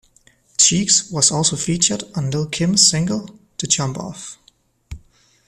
Cheeks was also featured on Lil' Kim's single, The Jump Off.